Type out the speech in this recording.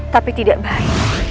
tapi tidak baik